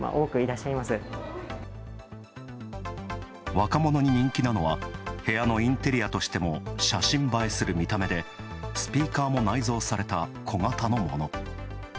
若者に人気なのは部屋のインテリアにも写真映えする見た目でスピーカーも内蔵された小型のもの。